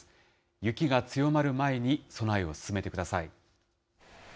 雪が強まる前に備えを進めてください。